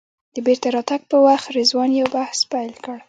د بېرته راتګ په وخت رضوان یو بحث پیل کړ.